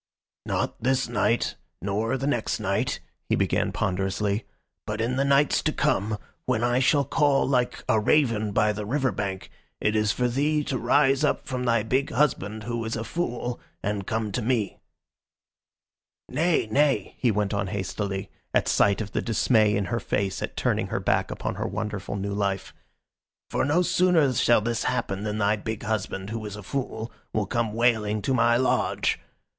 "Not this night, nor the next night," he began ponderously, "but in the nights to come, when I shall call like a raven by the river bank, it is for thee to rise up from thy big husband, who is a fool, and come to me. "Nay, nay," he went on hastily, at sight of the dismay in her face at turning her back upon her wonderful new life. "For no sooner shall this happen than thy big husband, who is a fool, will come wailing to my lodge.